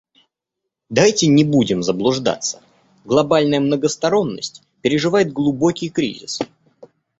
Давайте не будем заблуждаться: глобальная многосторонность переживает глубокий кризис.